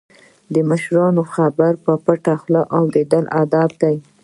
د مشرانو خبرې په پټه خوله اوریدل ادب دی.